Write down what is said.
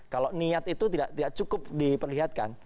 kalau niat itu tidak cukup diperlihatkan